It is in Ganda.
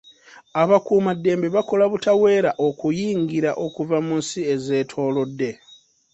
Abakuumaddembe bakola butaweera okuyingira okuva mu nsi ezeetoolodde.